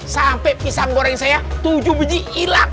sampai pisang goreng saya tujuh biji hilang